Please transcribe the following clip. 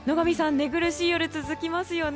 寝苦しい夜が続きますよね。